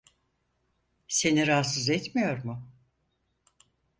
Seni rahatsız etmiyor mu?